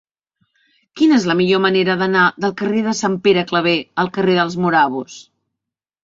Quina és la millor manera d'anar del carrer de Sant Pere Claver al carrer dels Morabos?